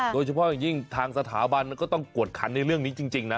โดยเฉพาะอย่างยิ่งทางสถาบันมันก็ต้องกวดขันในเรื่องนี้จริงนะ